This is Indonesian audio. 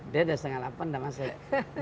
dia sudah jam delapan sudah masih